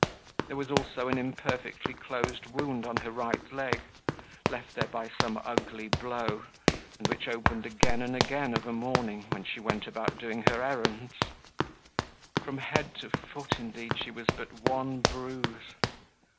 There was also an imperfectly closed wound on her right leg, left there by some ugly blow and which opened again and again of a morning, when she went about doing her errands. From head to foot, indeed, she was but one bruise!